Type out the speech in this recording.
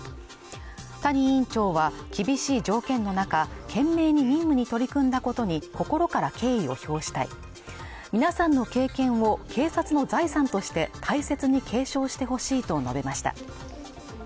谷委員長は厳しい条件の中、懸命に任務に取り組んだことに心から敬意を表したい皆さんの経験を警察の財産として大切に継承してほしいと述べました。